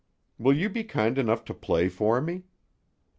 Will you be kind enough to play for me?"